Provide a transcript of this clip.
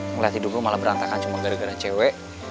ngeliat hidup gue malah berantakan cuma gara gara cewek